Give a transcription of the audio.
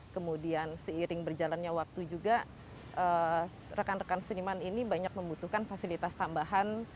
kemudian seiring berjalannya waktu juga rekan rekan seniman ini banyak membutuhkan fasilitas tambahan